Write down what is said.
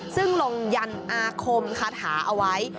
ซึ่งลงยันอาคมคาถาเอาไว้